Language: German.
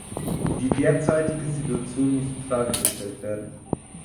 Die derzeitige Situation muss infrage gestellt werden.